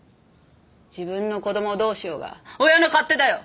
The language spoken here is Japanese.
自分の子どもをどうしようが親の勝手だよ！